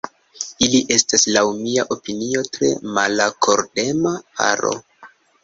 Ili estas, laŭ mia opinio, tre malakordema paro.